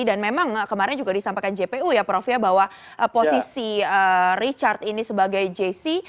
dan memang kemarin juga disampaikan jpu ya prof ya bahwa posisi richard ini sebagai jc